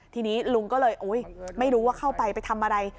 ทีนี้ลุงก็เลยไม่รู้ว่าเข้าไปไปทำอะไร